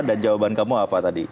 dan jawaban kamu apa tadi